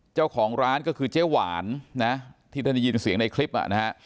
เจ้าของร้านก็คือเจ๊หวานนะที่ท่านได้ยินเสียงในคลิปอ่ะนะฮะ